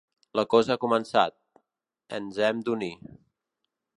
La cosa ha començat. Ens hem d'unir.